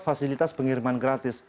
fasilitas pengiriman gratis